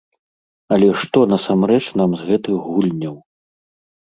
Але што насамрэч нам з гэтых гульняў?